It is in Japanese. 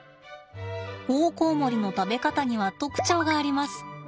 オオコウモリの食べ方には特徴があります。